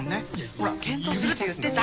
ほら検討するって言ってた。